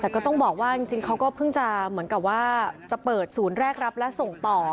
แต่ก็ต้องบอกว่าจริงเขาก็เพิ่งจะเหมือนกับว่าจะเปิดศูนย์แรกรับและส่งต่อ